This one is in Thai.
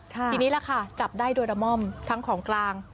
ทีนี้ล่ะค่ะจับได้โดยละม่อมทั้งของกลาง